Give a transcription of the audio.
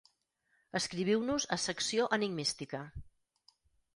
Escriviu-nos a Secció Enigmística.